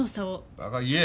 バカ言え！